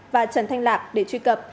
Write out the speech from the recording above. và trần thanh lạc để truy cập